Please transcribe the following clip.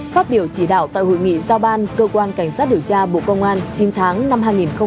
phát biểu chỉ đạo tại hội nghị giao ban cơ quan cảnh sát điều tra bộ công an chín tháng năm hai nghìn hai mươi ba